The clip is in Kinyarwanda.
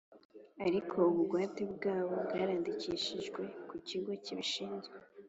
Ariko ubugwate bwabo bwarandikishijwe ku cyigo kibishinzwe